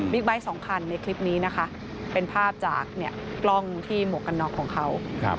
บิ๊กไบท์๒คันในคลิปนี้นะคะเป็นภาพจากเกราะ์ที่หมวกกันหน่อของเค้า